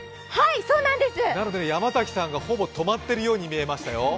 なので山崎さんが、ほぼ止まっているように見えましたよ。